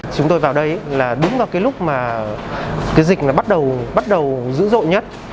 chúng tôi vào đây là đúng vào cái lúc mà cái dịch bắt đầu dữ dội nhất